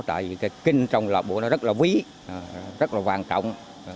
tại vì cái kinh trong lá buông đó rất là quý rất là quan trọng